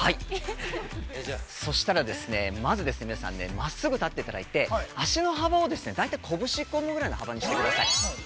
そしたら、まず、真っすぐ立っていただいて、足の幅を大体こぶし１個分ぐらいの幅にしてください。